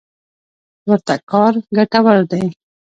ورته کار ګټور دی.